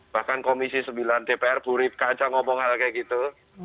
bahkan komisi sembilan dpr burif kaca ngomong hal kayak gitu